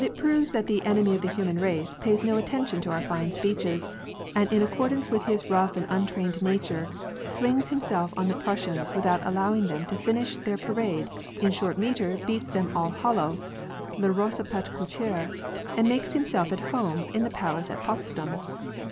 99 proves that the " enemy of the hnman race " pays no attention to our fine speeches, and in accordance with his rough and untrained nature, flings hiiuself on the Prussians without allowing them to finish their pai*ade, in dtiort metre heats them all hollow — les rosse h plate eoHture — and makes himself at home hi the palace at Potsdam.